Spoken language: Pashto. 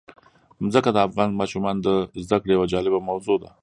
ځمکه د افغان ماشومانو د زده کړې یوه جالبه موضوع ده.